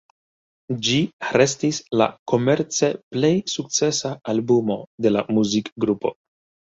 Ĝi restis la komerce plej sukcesa albumo de la muzikgrupo.